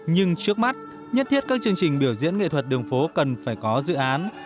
nhưng trước mắt nhất thiết các chương trình biểu diễn nghệ thuật đường phố cần phải có dự án